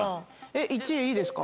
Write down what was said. えっ１位いいですか？